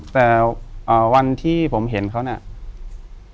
แต่วันที่ผมเห็นเขาเนี่ย